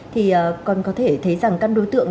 thì còn có thể thấy rằng các đối tượng